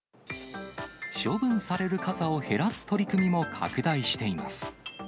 処分される傘を減らす取り組みも拡大しています。